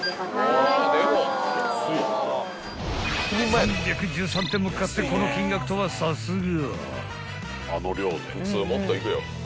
［３１３点も買ってこの金額とはさすが］